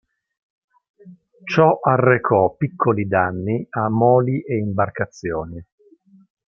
Ciò arrecò piccoli danni a moli e imbarcazioni.